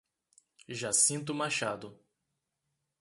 Jacinto Machado